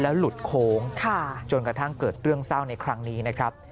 หลุดโค้งจนกระทั่งเกิดเรื่องเศร้าในครั้งนี้นะครับ